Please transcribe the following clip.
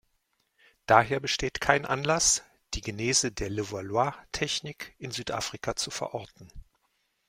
Daher besteht kein Anlass, die Genese der Levalloistechnik in Südafrika zu verorten.